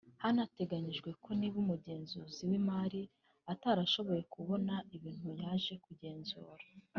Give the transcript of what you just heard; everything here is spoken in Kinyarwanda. hateganyijwe ko niba umugenzuzi w’imari atarashoboye kubona ibintu yaje kugenzura